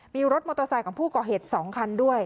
มีรถมอเตอร์ไซค์ของผู้ก่อเหตุ๒คันด้วย